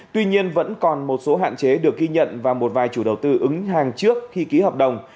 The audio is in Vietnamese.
tuy nhiên vẫn còn một số hạn chế được ghi nhận và một vài chủ đầu tư ứng hàng trước khi ký hợp đồng